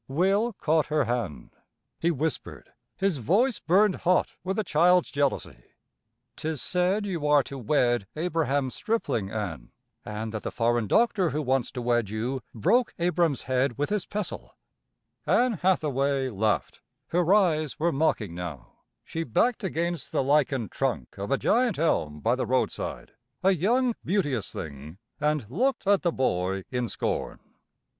Will caught her hand; he whispered; his voice burned hot with a child's jealousy. "'Tis said you are to wed Abraham Stripling, Ann, an' that the foreign doctor who wants to wed you, broke Abra'm's head with his pestle." Ann Hathaway laughed; her eyes were mocking now; she backed against the lichened trunk of a giant elm by the roadside, a young, beauteous thing, and looked at the boy in scorn.